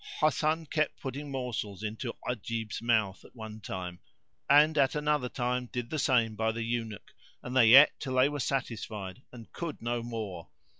[FN#468] Hasan kept putting morsels into Ajib's mouth at one time and at another time did the same by the Eunuch and they ate till they were satisfied and could no more.